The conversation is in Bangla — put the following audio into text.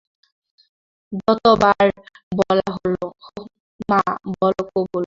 যত বার বলা হল, মা, বল কবুল।